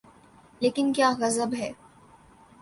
لیکن کیا غضب ہے۔